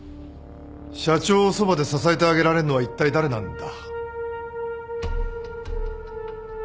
社長をそばで支えてあげられんのはいったい誰なんだ。